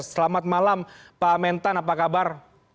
selamat malam pak mentan apa kabar